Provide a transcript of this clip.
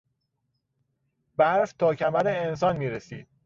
برف تا کمر انسان میرسید.